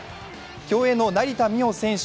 競泳の成田実生選手